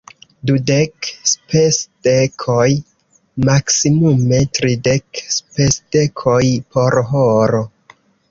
Dudek spesdekoj, maksimume tridek spesdekoj por horo.